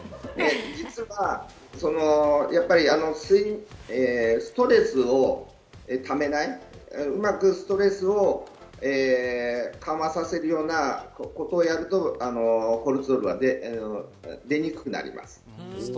実はストレスを溜めない、うまくストレスを緩和させるようなことをやるとコルチゾールは出にくくなります。